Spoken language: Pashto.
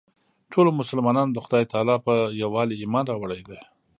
ټولو مسلمانانو د خدای تعلی په یووالي ایمان راوړی دی.